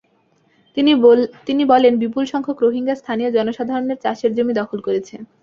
তিনি বলেন, বিপুলসংখ্যক রোহিঙ্গা স্থানীয় জনসাধারণের চাষের জমি দখল করেছে।